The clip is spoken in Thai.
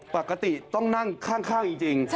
ปกติต้องนั่งข้างจริง